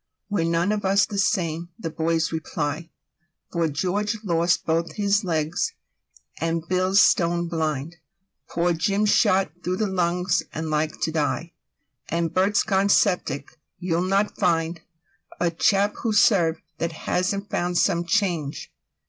''We're none of us the same!' the boys reply.'For George lost both his legs; and Bill's stone blind;'Poor Jim's shot through the lungs and like to die;'And Bert's gone syphilitic: you'll not find'A chap who's served that hasn't found some change.